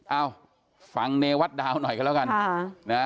เอ้าฟังเนวัดดาวหน่อยกันแล้วกัน